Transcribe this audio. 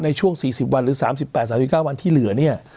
ในช่วงสี่สิบวันหรือสามสิบแปดสามสิบเก้าวันที่เหลือเนี้ย